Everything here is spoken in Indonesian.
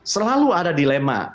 selalu ada dilema